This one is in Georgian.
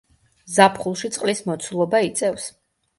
ზაფხულში წყლის მოცულობა იწევს.